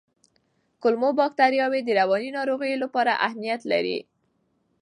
کولمو بکتریاوې د رواني ناروغیو لپاره اهمیت لري.